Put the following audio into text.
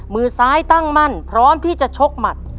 มือซ้ายตั้งมั่นพร้อมที่จะชกหมัด